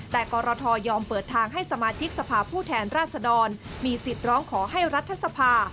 แต่กรทยอมเปิดทางให้สมาชิกสภาพผู้แทนราชดรมีสิทธิ์ร้องขอให้รัฐสภา